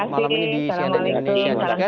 malam ini di cnn indonesia newscast